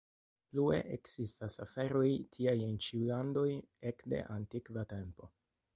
Plue ekzistas aferoj tiaj en ĉiuj landoj ekde antikva tempo.